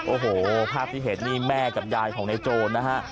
โอ้โหภาพที่เห็นนี่แม่กับยายของในโจรนะฮะ